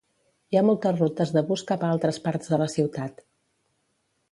Hi ha moltes rutes de bus cap a altres parts de la ciutat.